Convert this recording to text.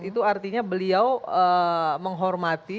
itu artinya beliau menghormati